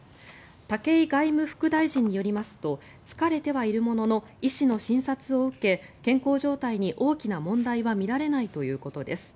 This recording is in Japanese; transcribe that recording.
武井外務副大臣によりますと疲れてはいるものの医師の診察を受け健康状態に大きな問題は見られないということです。